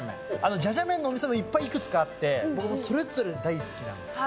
じゃじゃ麺のお店もいっぱいいくつかあって、僕もそれぞれ大好きなんです。